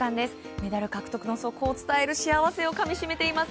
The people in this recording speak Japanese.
メダル獲得の速報を伝える幸せをかみ締めています。